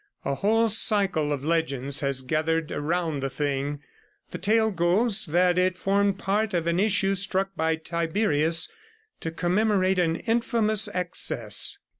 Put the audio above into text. A whole cycle of legend has gathered round the thing; the tale goes that it formed part of an issue struck by Tiberius to commemorate an infamous excess.